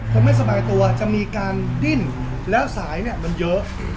ไม่สบายตัวจะมีการดิ้นแล้วสายเนี่ยมันเยอะ